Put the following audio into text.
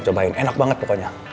cobain enak banget pokoknya